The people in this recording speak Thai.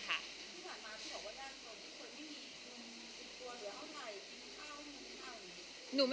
คุณผ่านมาพี่บอกว่าแม่สบายทุกคนไม่มีอีกตัวหรือเท่าไหร่จริงข้าวหนูหรือข้าวหนู